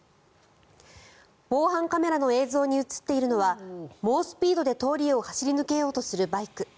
防犯カメラの映像に映っているのは猛スピードで、通りを走り抜けようとするバイク。